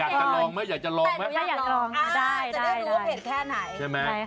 อยากจะลองไหมอยากจะลองไหมอ่าจะได้รู้ว่าเผ็ดแค่ไหนใช่ไหมใช่ค่ะ